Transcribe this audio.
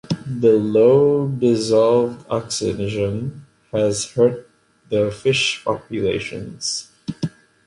The low dissolved oxygen has hurt the fish populations.